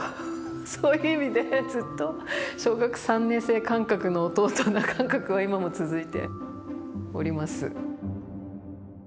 そういう意味でずっと小学３年生感覚の弟な感覚が今も続いております。